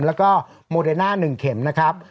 แล้วก็โมเดน่า๑เข็มนะครับ